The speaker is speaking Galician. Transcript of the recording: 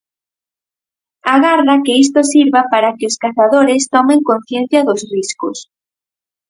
Agarda que isto sirva para que os cazadores tomen conciencia dos riscos.